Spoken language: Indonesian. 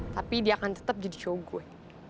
tapi dia akan tetep jadi cowok gue